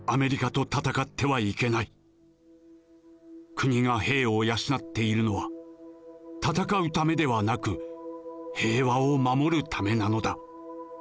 国が兵を養っているのは戦うためではなく平和を守るためなのだ。